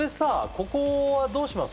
ここはどうします？